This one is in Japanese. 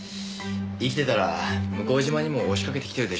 生きてたら向島にも押しかけてきてるでしょう。